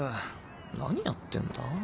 何やってんだ？